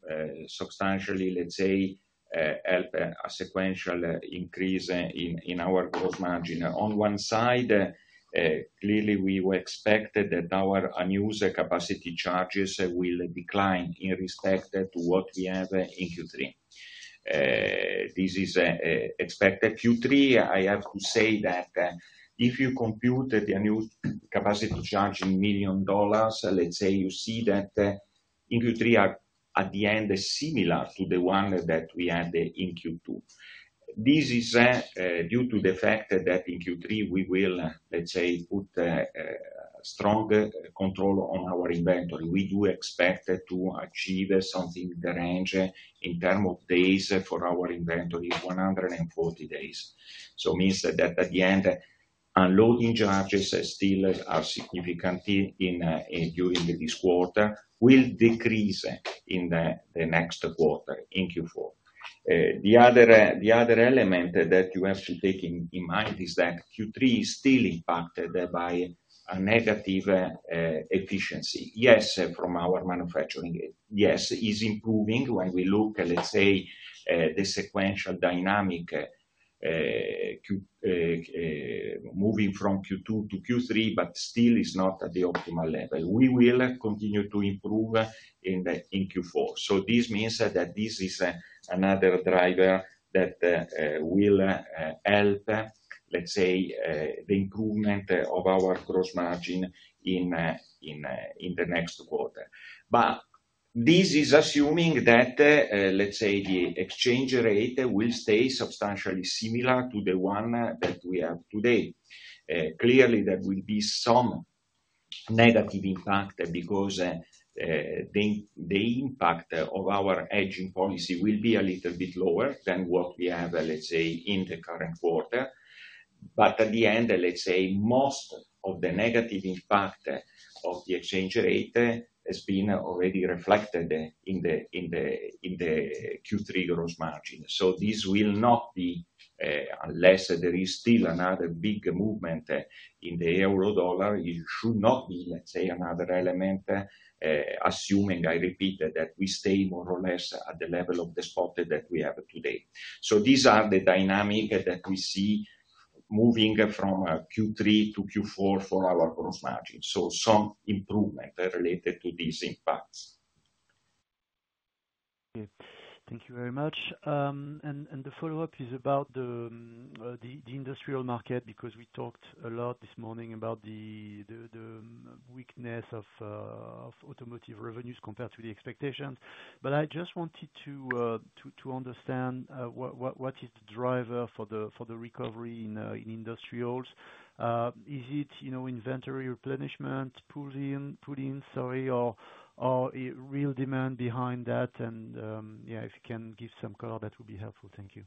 substantially, let's say, help a sequential increase in our gross margin. On one side, clearly, we were expected that our annual capacity charges will decline in respect to what we have in Q3. This is expected Q3. I have to say that if you compute the annual capacity charge in million dollars, let's say you see that in Q3 at the end is similar to the one that we had in Q2. This is due to the fact that in Q3 we will, let's say, put strong control on our inventory. We do expect to achieve something in the range in terms of days for our inventory, 140 days. It means that at the end, unloading charges still are significant during this quarter, will decrease in the next quarter in Q4. The other element that you have to take in mind is that Q3 is still impacted by a negative efficiency. Yes, from our manufacturing end, yes, it is improving when we look at, let's say, the sequential dynamic. Moving from Q2 to Q3, but still is not at the optimal level. We will continue to improve in Q4. This means that this is another driver that will help, let's say, the improvement of our gross margin in the next quarter. This is assuming that, let's say, the exchange rate will stay substantially similar to the one that we have today. Clearly, there will be some negative impact because the impact of our hedging policy will be a little bit lower than what we have, let's say, in the current quarter. At the end, let's say, most of the negative impact of the exchange rate has been already reflected in the Q3 gross margin. This will not be, unless there is still another big movement in the euro dollar, it should not be, let's say, another element. Assuming, I repeat, that we stay more or less at the level of the spot that we have today. These are the dynamics that we see moving from Q3 to Q4 for our gross margin. Some improvement related to these impacts. Thank you very much. The follow-up is about the industrial market because we talked a lot this morning about the weakness of automotive revenues compared to the expectations. I just wanted to understand what is the driver for the recovery in industrials. Is it inventory replenishment, pulling, sorry, or real demand behind that? If you can give some color, that would be helpful. Thank you.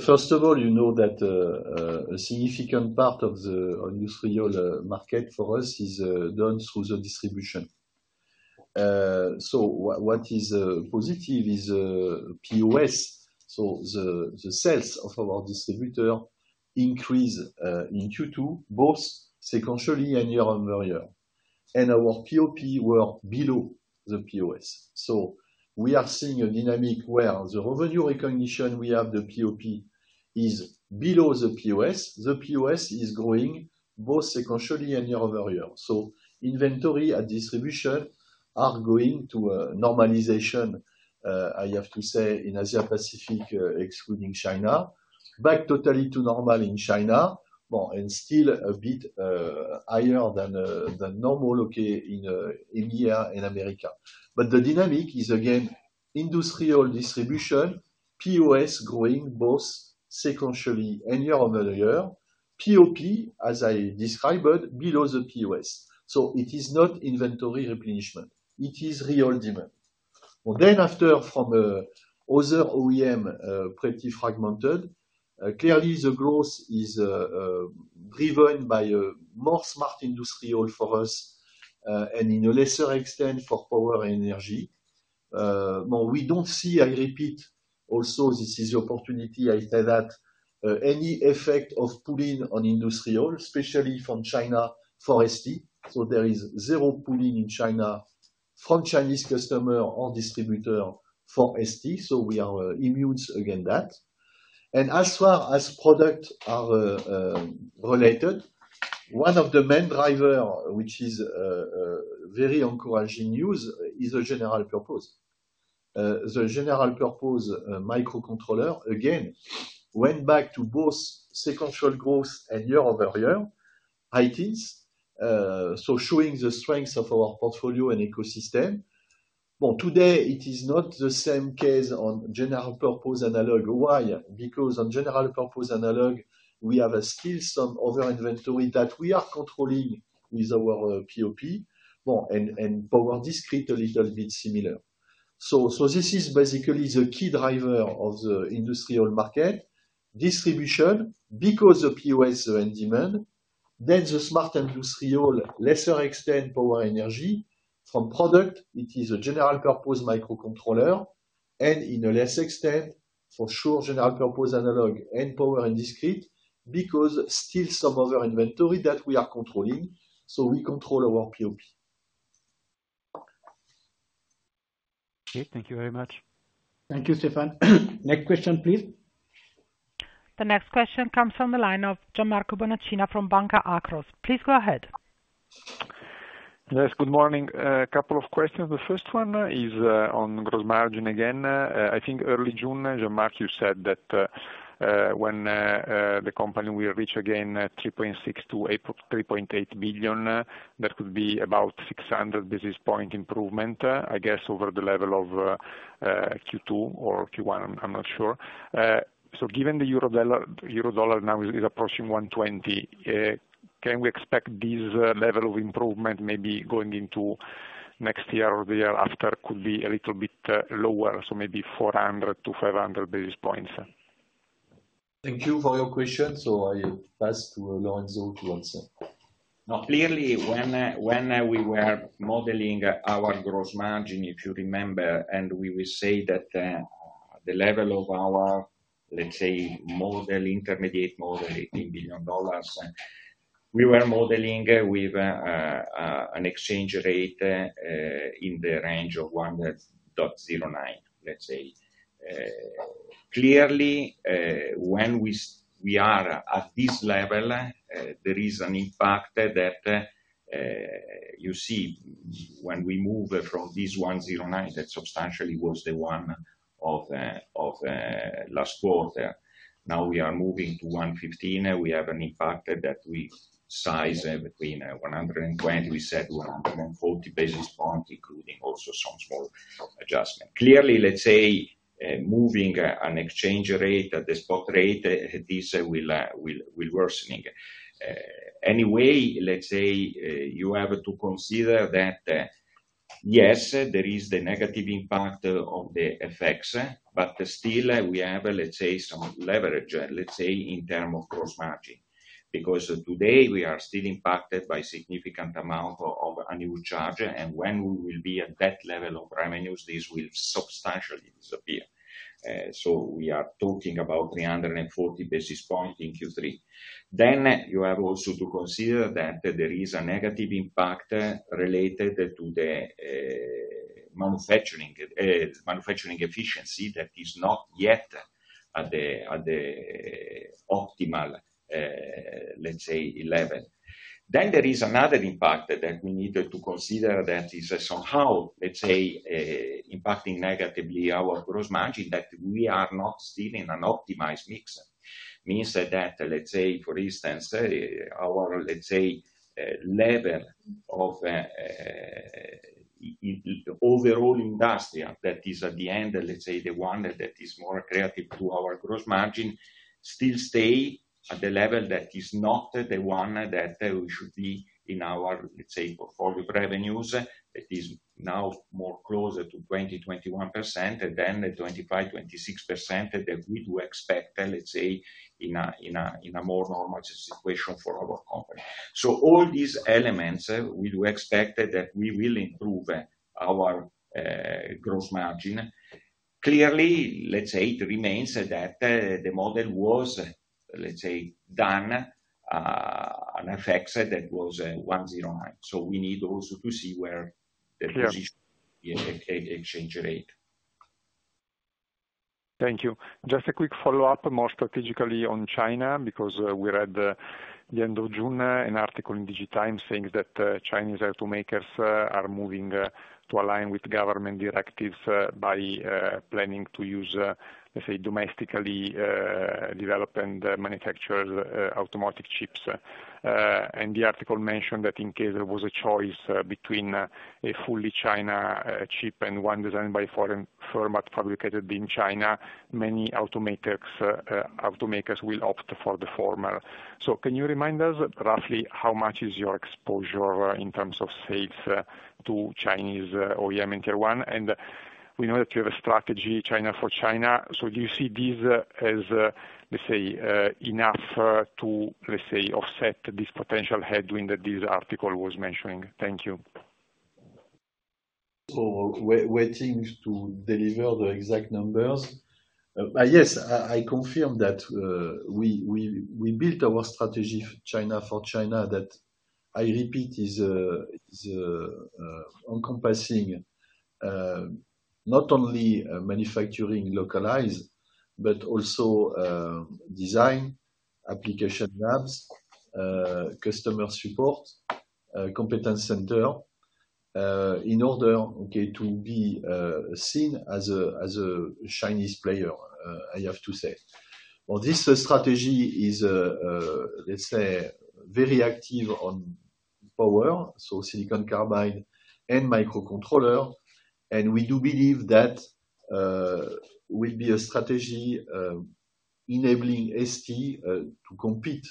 First of all, you know that a significant part of the industrial market for us is done through the distribution. What is positive is POS. The sales of our distributor increased in Q2, both sequentially and year-over-year. Our POP were below the POS. We are seeing a dynamic where the revenue recognition we have, the POP, is below the POS. The POS is growing both sequentially and year-over-year. Inventory in distribution is going to a normalization. I have to say, in Asia Pacific, excluding China, back totally to normal; in China, and still a bit higher than normal in India and Americas. The dynamic is, again, industrial distribution, POS growing both sequentially and year-over-year, POP, as I described, below the POS. It is not inventory replenishment. It is real demand. After, from other OEM, pretty fragmented, clearly the growth is driven by a more smart industrial for us, and to a lesser extent for power and energy. We do not see, I repeat, also this is the opportunity, I said that any effect of pulling on industrial, especially from China for ST. There is zero pulling in China from Chinese customers or distributors for ST. We are immune against that. As far as products are related, one of the main drivers, which is very encouraging news, is the general purpose. The general purpose microcontroller, again, went back to both sequential growth and year-over-year high teens, showing the strength of our portfolio and ecosystem. Today, it is not the same case on general purpose analog. Why? Because on general purpose analog, we have still some other inventory that we are controlling with our POP, and power discrete a little bit similar. This is basically the key driver of the industrial market distribution because of POS and demand. Then the smart industrial, lesser extent power energy from product, it is a general purpose microcontroller, and to a lesser extent, for sure, general purpose analog and power and discrete because still some other inventory that we are controlling. We control our POP. Okay. Thank you very much. Thank you, Stephane. Next question, please. The next question comes from the line of Gianmarco Bonacina from Banca Akros. Please go ahead. Yes. Good morning. A couple of questions. The first one is on gross margin again. I think early June, Gianmarco, you said that when the company will reach again $3.6 billion-$3.8 billion, that could be about 600 basis point improvement, I guess, over the level of Q2 or Q1. I'm not sure. Given the euro dollar now is approaching 1.20, can we expect this level of improvement maybe going into next year or the year after could be a little bit lower, so maybe 400-500 basis points? Thank you for your question. I pass to Lorenzo to answer. Clearly, when we were modeling our gross margin, if you remember, and we will say that. The level of our, let's say, model, intermediate model in billion dollars, we were modeling with an exchange rate in the range of 1.09, let's say. Clearly, when we are at this level, there is an impact that you see when we move from this 1.09 that substantially was the one of last quarter. Now we are moving to 1.15. We have an impact that we size between 120, we said 140 basis points, including also some small adjustment. Clearly, let's say, moving an exchange rate at the spot rate, this will worsen. Anyway, let's say you have to consider that yes, there is the negative impact of the FX, but still we have, let's say, some leverage, let's say, in terms of gross margin. Because today, we are still impacted by a significant amount of annual charge. And when we will be at that level of revenues, this will substantially disappear. We are talking about 340 basis points in Q3. You have also to consider that there is a negative impact related to the manufacturing efficiency that is not yet at the optimal, let's say, level. There is another impact that we need to consider that is somehow, let's say, impacting negatively our gross margin that we are not still in an optimized mix. Means that, let's say, for instance, our, let's say, level of overall industry that is at the end, let's say, the one that is more creative to our gross margin still stay at the level that is not the one that we should be in our, let's say, portfolio revenues. It is now more closer to 20-21%, and then 25-26% that we do expect, let's say, in a more normal situation for our company. All these elements, we do expect that we will improve our gross margin. Clearly, let's say, it remains that the model was, let's say, done at an FX that was 1.09. We need also to see where the position exchange rate. Thank you. Just a quick follow-up more strategically on China because we read at the end of June an article in Digitimes saying that Chinese automakers are moving to align with government directives by planning to use, let's say, domestically developed and manufactured automotive chips. The article mentioned that in case there was a choice between a fully China chip and one designed by a foreign firm but fabricated in China, many automakers will opt for the former. Can you remind us roughly how much is your exposure in terms of sales to Chinese OEM and tier one? We know that you have a strategy China for China. Do you see these as, let's say, enough to, let's say, offset this potential headwind that this article was mentioning? Thank you. Waiting to deliver the exact numbers. Yes, I confirm that. We built our strategy China for China that, I repeat, is encompassing not only manufacturing localized, but also design, application labs, customer support, competence center. In order to be seen as a Chinese player, I have to say this strategy is, let's say, very active on power, so silicon carbide and microcontroller. We do believe that will be a strategy enabling ST to compete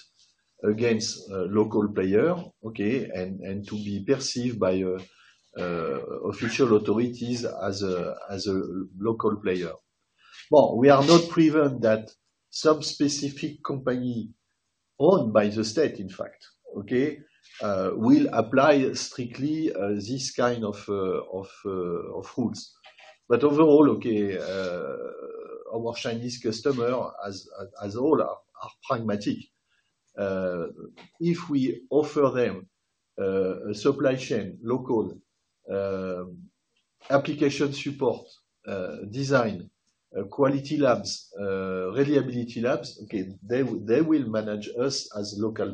against local player, okay, and to be perceived by official authorities as a local player. We are not proven that some specific company owned by the state, in fact, okay, will apply strictly this kind of rules. Overall, okay, our Chinese customers, as all, are pragmatic. If we offer them a supply chain, local, application support, design, quality labs, reliability labs, okay, they will manage us as a local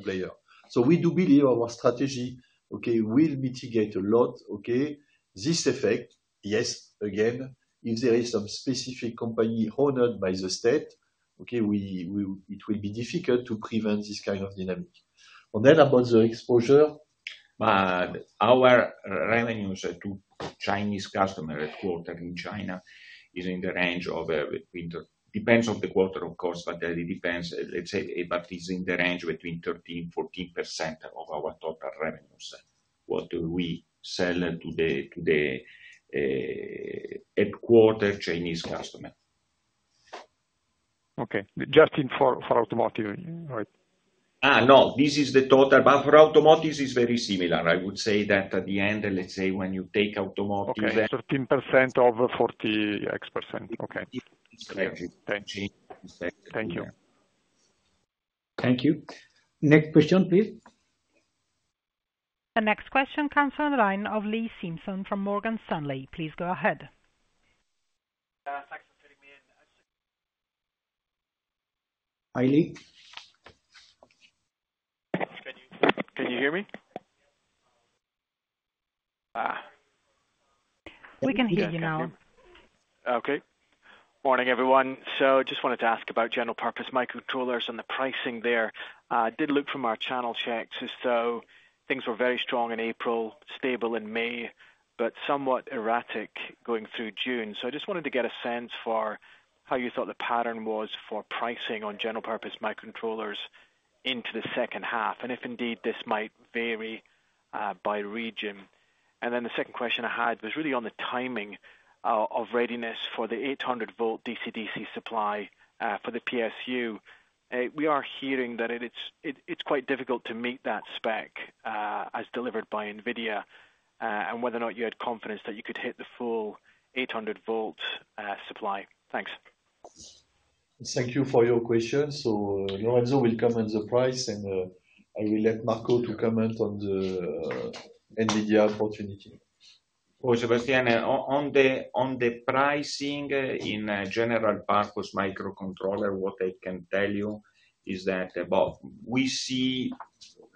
player. We do believe our strategy, okay, will mitigate a lot, okay, this effect. Yes, again, if there is some specific company owned by the state, okay, it will be difficult to prevent this kind of dynamic. About the exposure. Our revenues to Chinese customers at quarter in China is in the range of between, depends on the quarter, of course, but it depends, let's say, but it is in the range between 13-14% of our total revenues. What do we sell to the headquarter Chinese customer. Okay. Just in for automotive, right? No, this is the total. For automotive, it's very similar. I would say that at the end, let's say, when you take automotive. 13% of 40X%. Thank you. Thank you. Next question, please. The next question comes from the line of Lee Simpson from Morgan Stanley. Please go ahead. Hi Lee. Can you hear me? We can hear you now. Okay. Morning, everyone. I just wanted to ask about general purpose microcontrollers and the pricing there. I did look from our channel checks as though things were very strong in April, stable in May, but somewhat erratic going through June. I just wanted to get a sense for how you thought the pattern was for pricing on general purpose microcontrollers into the second half, and if indeed this might vary by region. The second question I had was really on the timing of readiness for the 800-volt DC-DC supply for the PSU. We are hearing that it is quite difficult to meet that spec as delivered by NVIDIA and whether or not you had confidence that you could hit the full 800-volt supply. Thanks. Thank you for your question. Lorenzo will comment on the price, and I will let Marco comment on the NVIDIA opportunity. Sebastian, on the pricing in general purpose microcontroller, what I can tell you is that we see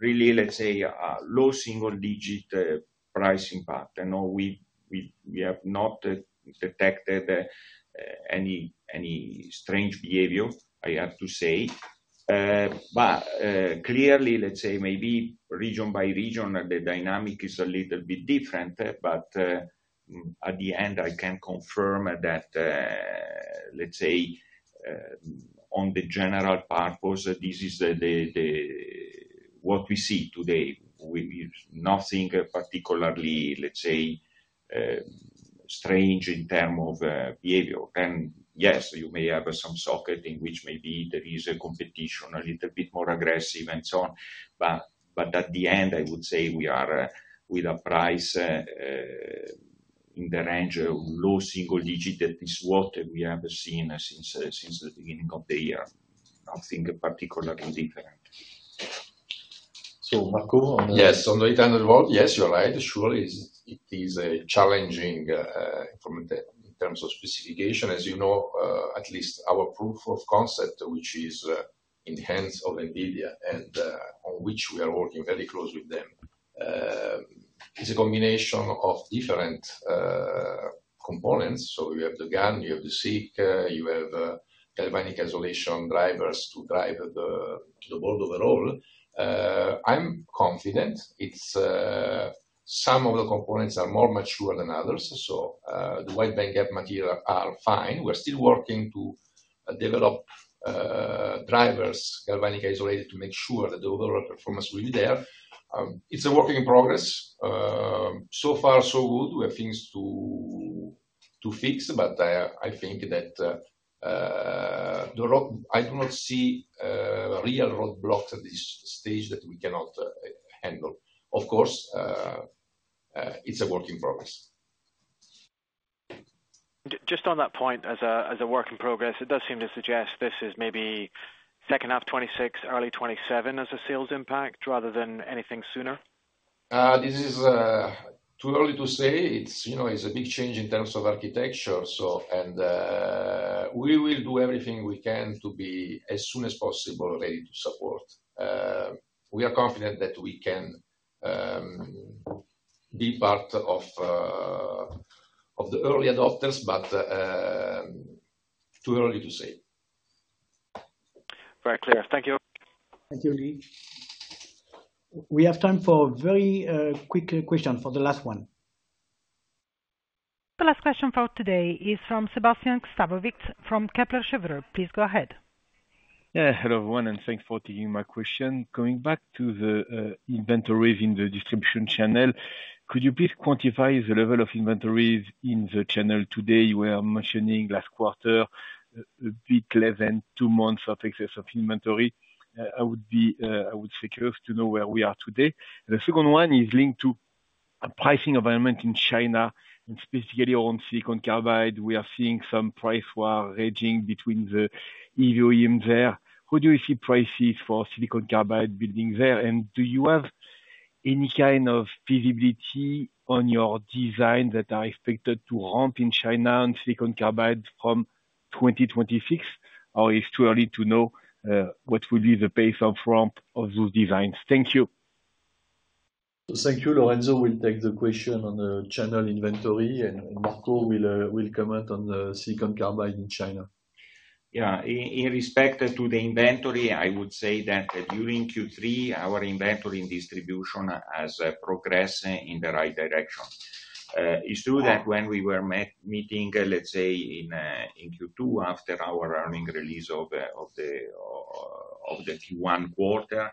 really, let's say, a low single-digit pricing path. We have not detected any strange behavior, I have to say. Clearly, let's say, maybe region by region, the dynamic is a little bit different. At the end, I can confirm that, let's say, on the general purpose, this is what we see today. Nothing particularly, let's say, strange in terms of behavior. Yes, you may have some socket in which maybe there is a competition a little bit more aggressive and so on. At the end, I would say we are with a price in the range of low single-digit that is what we have seen since the beginning of the year. Nothing particularly different. So Marco. Yes, on the 800-volt, yes, you're right. Surely, it is challenging. In terms of specification. As you know, at least our proof of concept, which is in the hands of NVIDIA and on which we are working very closely with them, is a combination of different components. So you have the GaN, you have the SiC, you have galvanic isolation drivers to drive the board overall. I'm confident. Some of the components are more mature than others. So the wide-bandgap material are fine. We're still working to develop drivers, galvanic isolated, to make sure that the overall performance will be there. It's a work in progress. So far, so good. We have things to fix, but I think that I do not see real roadblocks at this stage that we cannot handle. Of course. It's a work in progress. Just on that point, as a work in progress, it does seem to suggest this is maybe second half 2026, early 2027 as a sales impact rather than anything sooner? This is too early to say. It's a big change in terms of architecture. We will do everything we can to be as soon as possible ready to support. We are confident that we can be part of the early adopters, but too early to say. Very clear. Thank you. Thank you, Lee. We have time for a very quick question for the last one. The last question for today is from Sebastien Sztabowicz from Kepler Cheuvreux. Please go ahead. Hello everyone, and thanks for taking my question. Going back to the inventories in the distribution channel, could you please quantify the level of inventories in the channel today? You were mentioning last quarter, a bit less than two months of excess of inventory. I would be curious to know where we are today. The second one is linked to the pricing environment in China, and specifically on silicon carbide. We are seeing some price war raging between the EVOEMs there. How do you see prices for silicon carbide building there? And do you have any kind of feasibility on your designs that are expected to ramp in China on silicon carbide from 2026? Or is it too early to know what will be the pace of ramp of those designs? Thank you. Thank you. Lorenzo will take the question on the channel inventory, and Marco will comment on the silicon carbide in China. Yeah. In respect to the inventory, I would say that during Q3, our inventory in distribution has progressed in the right direction. It's true that when we were meeting, let's say, in Q2 after our earning release of the Q1 quarter,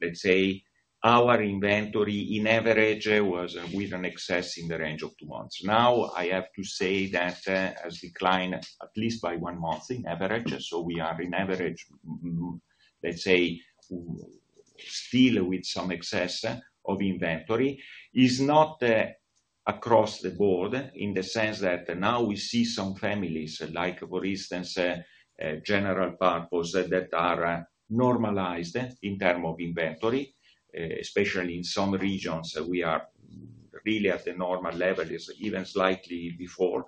let's say, our inventory in average was with an excess in the range of two months. Now, I have to say that has declined at least by one month in average. So we are in average, let's say, still with some excess of inventory. It's not across the board in the sense that now we see some families, like for instance, general purpose, that are normalized in terms of inventory, especially in some regions, we are really at the normal level, even slightly before.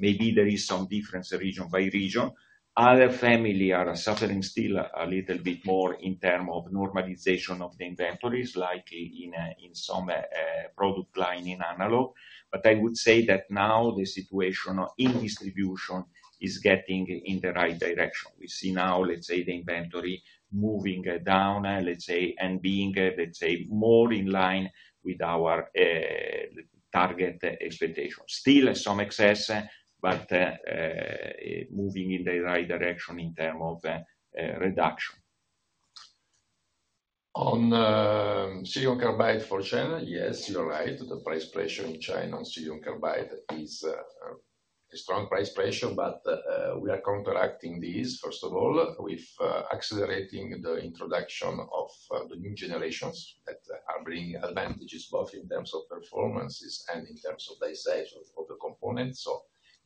Maybe there is some difference region by region. Other families are suffering still a little bit more in terms of normalization of the inventories, likely in some product line in analog. But I would say that now the situation in distribution is getting in the right direction. We see now, let's say, the inventory moving down, let's say, and being, let's say, more in line with our target expectations. Still some excess, but moving in the right direction in terms of reduction. On silicon carbide for China, yes, you're right. The price pressure in China on silicon carbide is a strong price pressure, but we are counteracting this, first of all, with accelerating the introduction of the new generations that are bringing advantages both in terms of performances and in terms of the size of the components.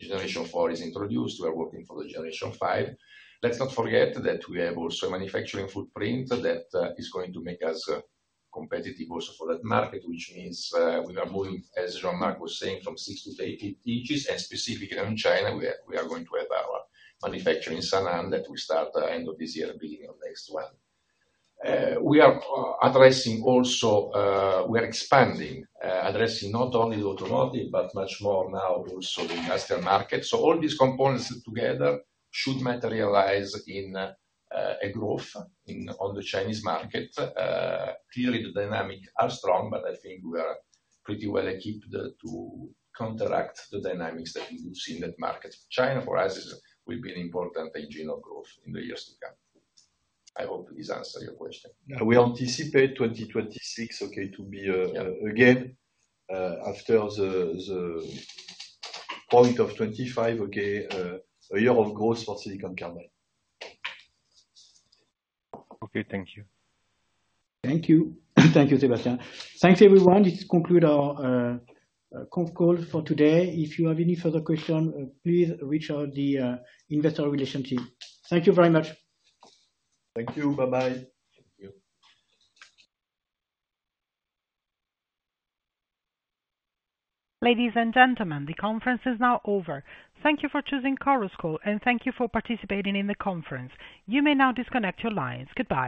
Generation 4 is introduced. We are working for the Generation 5. Let's not forget that we have also a manufacturing footprint that is going to make us competitive also for that market, which means we are moving, as Jean-Marc was saying, from 6 to 8 inches. Specifically in China, we are going to have our manufacturing in Sanand that will start at the end of this year, beginning of next one. We are addressing also, we are expanding, addressing not only the automotive, but much more now also the industrial market. All these components together should materialize in a growth on the Chinese market. Clearly, the dynamics are strong, but I think we are pretty well equipped to counteract the dynamics that we do see in that market. China, for us, will be an important engine of growth in the years to come. I hope this answers your question. We anticipate 2026, okay, to be again after the point of 2025, okay, a year of growth for silicon carbide. Okay, thank you. Thank you. Thank you, Sebastian. Thanks, everyone. This concludes our conference call for today. If you have any further questions, please reach out to the investor relationship. Thank you very much. Thank you. Bye-bye. Thank you. Ladies and gentlemen, the conference is now over. Thank you for choosing STMicroelectronics, and thank you for participating in the conference. You may now disconnect your lines. Goodbye.